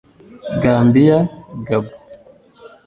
Gambia; Gabon